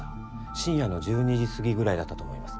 深夜の１２時過ぎぐらいだったと思います。